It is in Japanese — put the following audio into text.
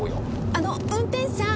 あの運転士さん！